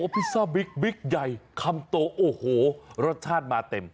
พิซซ่าบิ๊กบิ๊กใหญ่คำโตโอ้โหรสชาติมาเต็ม